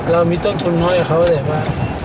เรามีต้นทุนน้อยกับเขาแต่ว่า